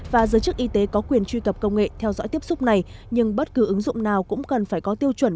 và giới chức y tế có quyền truy cập công nghệ theo dõi tiếp xúc này nhưng bất cứ ứng dụng nào cũng cần phải có tiêu chuẩn